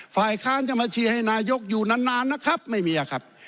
ฝ่ายค้านจะมาเชียร์ให้นายกอยู่นานนะครับไม่มีครับ